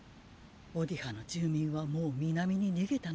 オディハの住民はもう南に逃げたのでしょう。